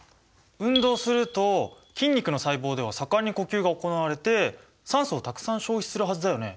運動すると筋肉の細胞では盛んに呼吸がおこなわれて酸素をたくさん消費するはずだよね。